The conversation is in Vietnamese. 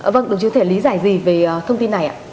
vâng đồng chí có thể lý giải gì về thông tin này ạ